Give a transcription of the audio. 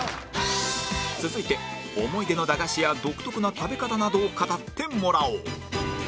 続いて思い出の駄菓子や独特な食べ方などを語ってもらおう！